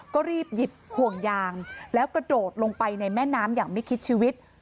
ก็รีบหยิบห่วงยางแล้วกระโดดลงไปในแม่น้ำอย่างไม่คิดชีวิต